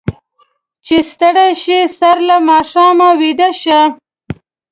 چې ستړي شي، سر له ماښامه اوده شي.